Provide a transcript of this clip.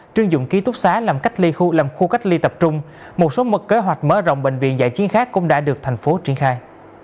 trương dụng ký túc xá làm khu cách ly tập trung một số mật kế hoạch mở rộng bệnh viện dạy chiến khác cũng đã được thành phố triển khai